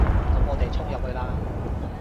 噉我哋衝入去啦